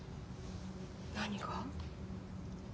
何が？